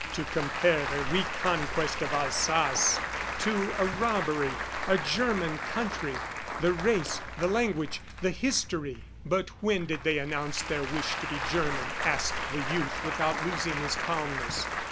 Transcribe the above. To compare the reconquest of Alsace to a robbery. A German country! The race ... the language ... the history! ... "But when did they announce their wish to be German?" asked the youth without losing his calmness.